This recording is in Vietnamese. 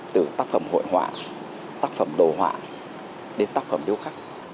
từ tác phẩm hội họa tác phẩm đồ họa đến tác phẩm điêu khắc